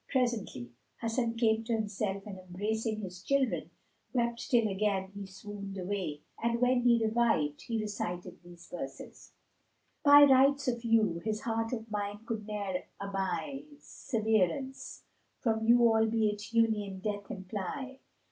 Presently, Hasan came to himself and embracing his children, wept till again he swooned away, and when he revived, he recited these verses, "By rights of you, this heart of mine could ne'er aby * Severance from you albeit Union death imply!